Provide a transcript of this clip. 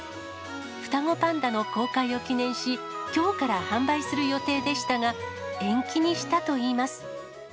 双子パンダの公開を記念し、きょうから販売する予定でしたが、延期にしたといいます。